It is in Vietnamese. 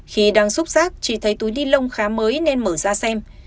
khi đang xúc rác chị thấy túi ni lông khá mới nên mở ra xem